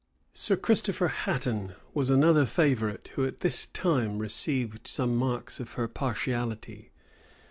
Sir Christopher Hatton was another favorite who at this time received some marks of her partiality.